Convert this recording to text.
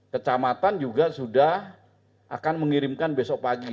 kecamatan juga sudah akan mengirimkan besok pagi